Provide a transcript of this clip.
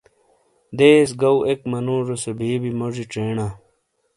دیس گو ایک منوجو سے بِی بِی (بِیس) موجی چینا